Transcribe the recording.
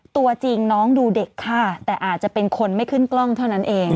ตัวจริงน้องดูเด็กค่ะแต่อาจจะเป็นคนไม่ขึ้นกล้องเท่านั้นเอง